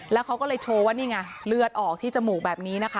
แล้วเขาก็เลยโชว์ว่านี่ไงเลือดออกที่จมูกแบบนี้นะคะ